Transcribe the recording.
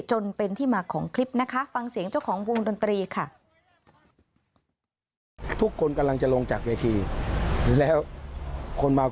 จนเป็นที่มาของคลิปนะคะฟังเสียงเจ้าของวงดนตรีค่ะ